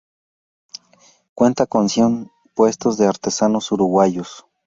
Cuenta con cien puestos de artesanos uruguayos.